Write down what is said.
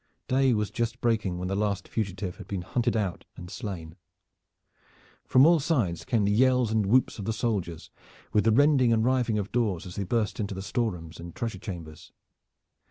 Day was just breaking when the last fugitive had been hunted out and slain. From all sides came the yells and whoops of the soldiers with the rending and riving of doors as they burst into the store rooms and treasure chambers.